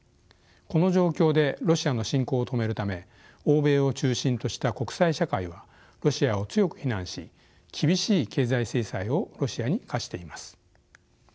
この状況でロシアの侵攻を止めるため欧米を中心とした国際社会はロシアを強く非難し厳しい経済制裁をロシアに科しています。